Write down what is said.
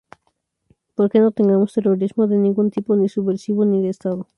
Porque no tengamos terrorismo de ningún tipo, ni subversivo ni de Estado"".